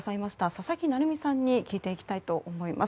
佐々木成三さんに聞いていきたいと思います。